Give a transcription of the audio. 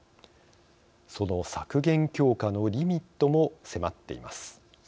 その削減強化のリミットも迫っています。